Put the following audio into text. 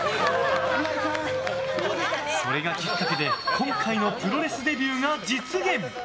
それがきっかけで今回のプロレスデビューが実現！